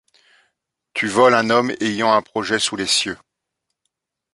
Tu vols un homme ayant un projet sous les cieux